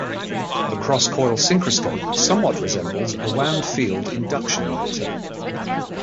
The cross-coil synchroscope somewhat resembles a wound-field induction motor.